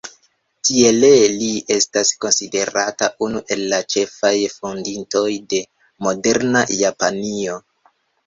Tiele li estas konsiderata unu el la ĉefaj fondintoj de moderna Japanio.